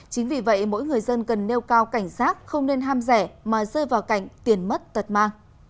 chính vì vậy mỗi người dân cần nêu cao cảnh giác không nên ham rẻ mà rơi vào cảnh tiền mất tật ma